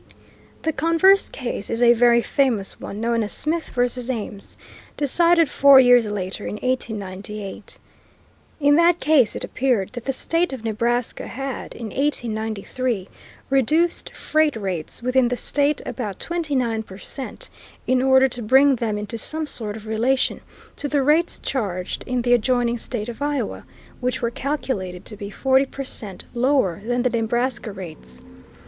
The converse case is a very famous one known as Smyth v. Ames, decided four years later, in 1898. In that case it appeared that the State of Nebraska had, in 1893, reduced freight rates within the state about twenty nine per cent, in order to bring them into some sort of relation to the rates charged in the adjoining State of Iowa, which were calculated to be forty per cent lower than the Nebraska rates.